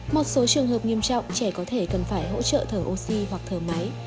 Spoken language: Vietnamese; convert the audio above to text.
một số trường hợp nghiêm trọng trẻ có thể cần phải hỗ trợ thở oxy hoặc thở máy